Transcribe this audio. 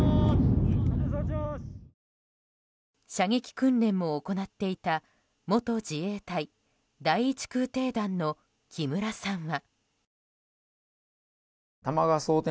射撃訓練も行っていた元自衛隊第１空挺団の木村さんは。